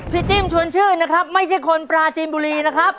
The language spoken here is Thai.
จิ้มชวนชื่นนะครับไม่ใช่คนปราจีนบุรีนะครับ